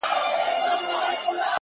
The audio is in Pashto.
هره تجربه د فکر ژورتیا زیاتوي,